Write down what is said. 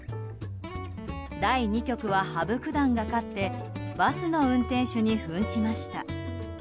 第２局は羽生九段が勝ってバスの運転手に扮しました。